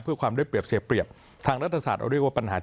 เพื่อความได้เปรียบเสียเปรียบทางรัฐศาสตร์เราเรียกว่าปัญหา